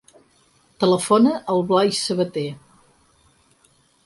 Telefona al Blai Sabate.